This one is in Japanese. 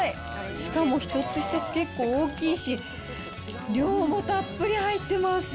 しかも一つ一つ結構大きいし、量もたっぷり入ってます。